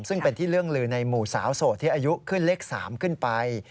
ซึ่งเป็นที่เรื่องลือในหมู่สาวโสดที่อายุขึ้นเลข๓ขึ้นไป